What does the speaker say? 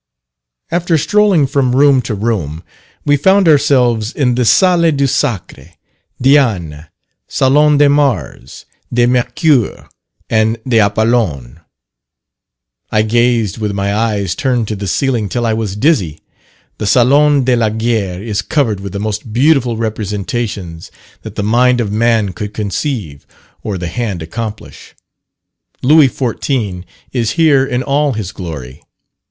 After strolling from room to room, we found ourselves in the Salle du Sacre, Diane, Salon de Mars, de Mercure, and d'Apollon. I gazed with my eyes turned to the ceiling till I was dizzy. The Salon de la Guerre is covered with the most beautiful representations that the mind of man could conceive, or the hand accomplish. Louis XIV. is here in all his glory.